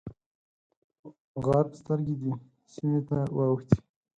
غرب سترګې دې سیمې ته واوښتې.